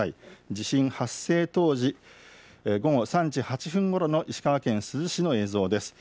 地震発生当時、午後３時８分ごろの石川県珠洲市の映像です。